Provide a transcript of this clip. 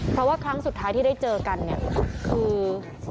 เพราะว่าครั้งสุดท้ายที่ได้เจอกันเนี่ยคือ